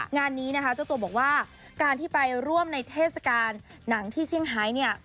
งานนี้นะคะเจ้าตัวบอกว่าการที่ไปร่วมในเทศกาลหนังที่เซี่ยงไฮเนี่ย